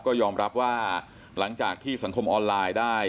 ก็ยอมรับว่าหลังจากที่สังคมออนไลน์ได้